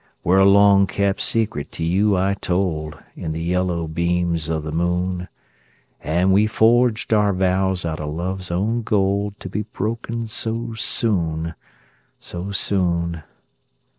Where a long kept secret to you I told, In the yellow beams of the moon, And we forged our vows out of love's own gold, To be broken so soon, so soon!